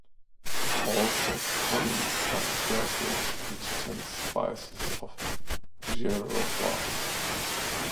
Also common are gerbils and ten species of jerboas.